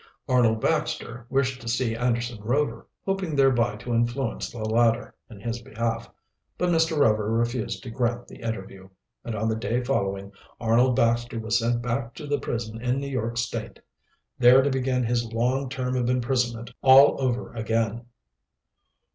Arnold Baxter wished to see Anderson Rover, hoping thereby to influence the latter in his behalf, but Mr. Rover refused to grant the interview, and on the day following Arnold Baxter was sent back to the prison in New York State, there to begin his long term of imprisonment all over again.